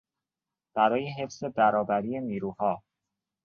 برای حفظ برابری نیروها